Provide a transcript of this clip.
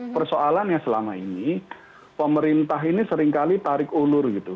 persoalannya selama ini pemerintah ini seringkali tarik ulur gitu